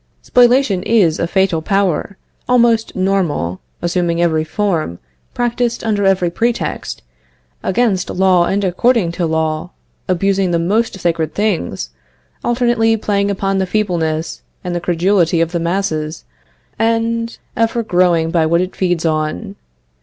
Spoliation is a fatal power, almost normal, assuming every form, practiced under every pretext, against law and according to law, abusing the most sacred things, alternately playing upon the feebleness and the credulity of the masses, and ever growing by what it feeds on.